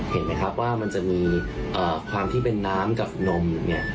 เห็นไหมครับว่ามันจะมีความที่เป็นน้ำกับนมเนี่ย